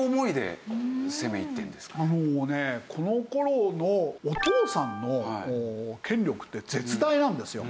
もうねこの頃のお父さんの権力って絶大なんですよ。